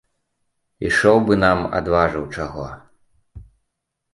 Ішоў бы нам адважыў чаго.